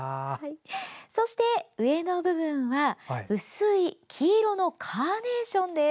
そして、上の部分は薄い黄色のカーネーションです。